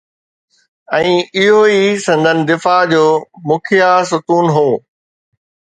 ۽ اهو ئي سندن دفاع جو مکيه ستون هو.